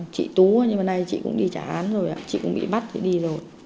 chị tú nhưng mà nay chị cũng đi trả án rồi ạ chị cũng bị bắt thì đi rồi